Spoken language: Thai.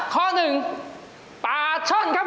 ข้อ๑ปะช่อนครับผม